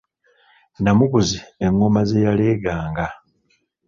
Namuguzi engoma ze yaleeganga.